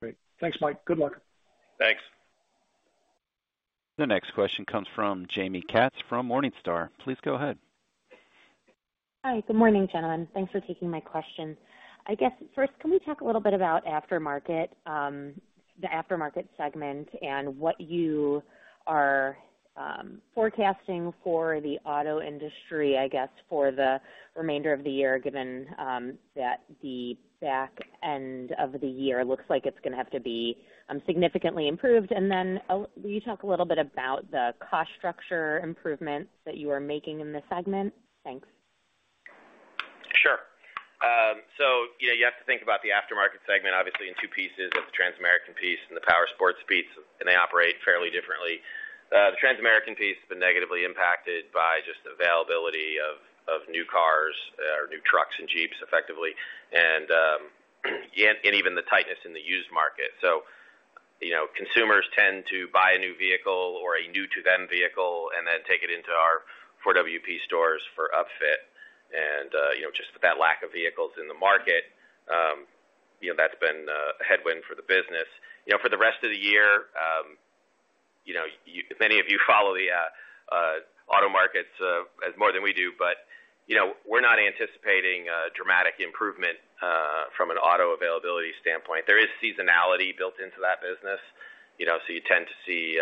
Great. Thanks, Mike. Good luck. Thanks. The next question comes from Jaime Katz from Morningstar. Please go ahead. Hi, good morning, gentlemen. Thanks for taking my question. I guess first, can we talk a little bit about aftermarket, the aftermarket segment and what you are forecasting for the auto industry, I guess, for the remainder of the year, given that the back end of the year looks like it's gonna have to be significantly improved? Will you talk a little bit about the cost structure improvements that you are making in this segment? Thanks. Sure. Yeah, you have to think about the aftermarket segment, obviously in two pieces of the Transamerican piece and the Powersports piece, and they operate fairly differently. The Transamerican piece has been negatively impacted by just availability of new cars or new trucks and Jeeps effectively, and even the tightness in the used market. You know, consumers tend to buy a new vehicle or a new-to-them vehicle and then take it into our 4WP stores for upfit. You know, just that lack of vehicles in the market, you know, that's been a headwind for the business. You know, for the rest of the year, you know, many of you follow the auto markets more than we do, but, you know, we're not anticipating a dramatic improvement from an auto availability standpoint. There is seasonality built into that business, you know. You tend to see,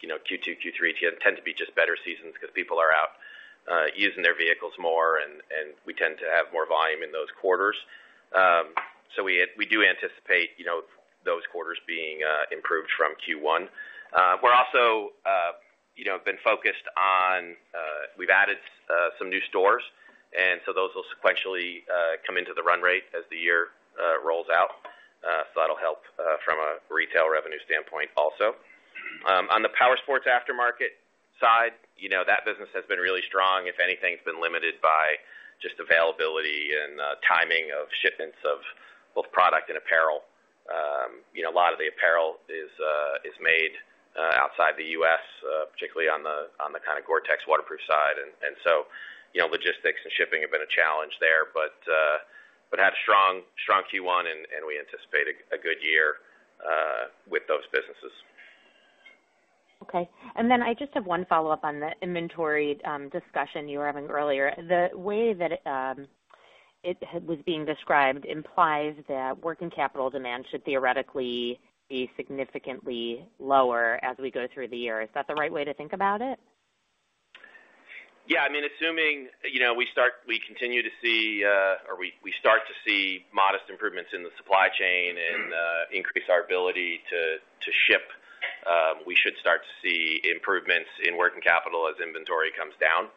you know, Q2, Q3 tend to be just better seasons 'cause people are out, using their vehicles more and we tend to have more volume in those quarters. We do anticipate, you know, those quarters being improved from Q1. We've added some new stores, and so those will sequentially come into the run rate as the year rolls out. That'll help from a retail revenue standpoint also. On the Powersports aftermarket side, you know, that business has been really strong. If anything, it's been limited by just availability and timing of shipments of both product and apparel. You know, a lot of the apparel is made outside the U.S., particularly on the kind of GORE-TEX waterproof side. You know, logistics and shipping have been a challenge there. We had a strong Q1 and we anticipate a good year with those businesses. Okay. I just have one follow-up on the inventory discussion you were having earlier. The way that it was being described implies that working capital demand should theoretically be significantly lower as we go through the year. Is that the right way to think about it? Yeah. I mean, assuming, you know, we continue to see or we start to see modest improvements in the supply chain and increase our ability to ship, we should start to see improvements in working capital as inventory comes down.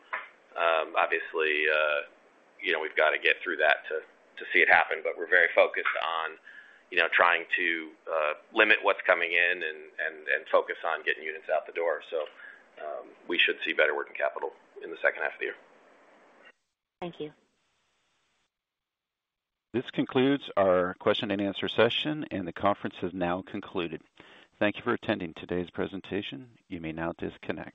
Obviously, you know, we've got to get through that to see it happen, but we're very focused on, you know, trying to limit what's coming in and focus on getting units out the door. We should see better working capital in the second half of the year. Thank you. This concludes our question and answer session, and the conference has now concluded. Thank you for attending today's presentation. You may now disconnect.